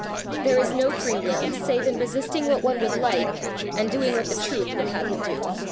"There is no free will save in resisting what one would like, and doing what the Truth would have him do.